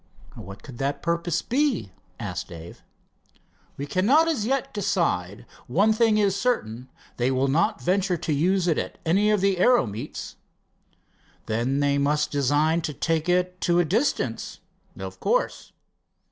"What could that purpose be?" asked Dave. "We cannot as yet decide. One thing is certain they will not venture to use it at any of the aero meets." "Then they must design to take it to a distance." "Of course."